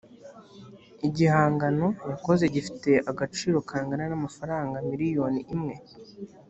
igihangano yakoze gifite agaciro kangana na mafaranga miliyoni imwe